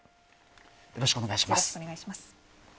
よろしくお願いします。